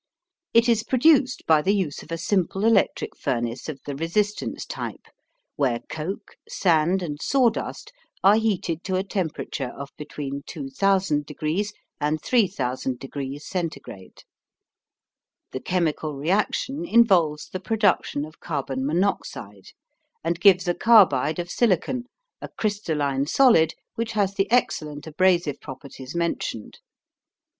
It is produced by the use of a simple electric furnace of the resistance type, where coke, sand, and sawdust are heated to a temperature of between 2000 degrees and 3000 degrees C. The chemical reaction involves the production of carbon monoxide, and gives a carbide of silicon, a crystalline solid which has the excellent abrasive properties mentioned.